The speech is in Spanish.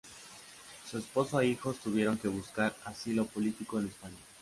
Su esposo e hijos tuvieron que buscar asilo político en España.